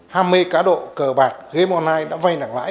ham mê cá độ cờ bạc game online đã vai nặng lãi